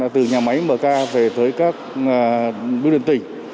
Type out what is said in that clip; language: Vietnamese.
từ nhà máy mk về tới các bưu điện tỉnh